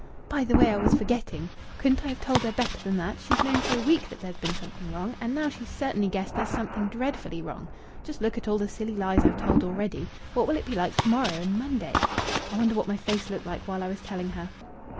"'By the way, I was forgetting' couldn't I have told her better than that? She's known for a week that there's been something wrong, and now she's certainly guessed there's something dreadfully wrong.... Just look at all the silly lies I've told already! What will it be like to morrow and Monday? I wonder what my face looked like while I was telling her!"